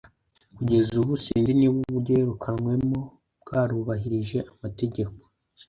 kugeza ubu sinzi niba uburyo yirukanwemo bwarubahirije amategeko